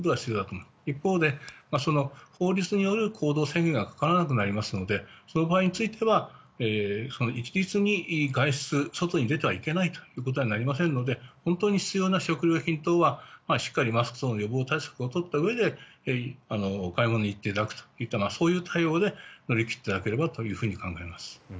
一方でその法律による行動制限がかからなくなりますのでその場合については、一律に外出してはいけないということにはなりませんので本当に必要な食料品等はしっかりマスク等の予防対策をしたうえでお買い物に行っていただくといった、そういう対応で乗り切っていただければと考えます。